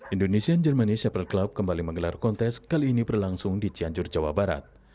indonesian germany shepherd club kembali menggelar kontes kali ini berlangsung di cianjur jawa barat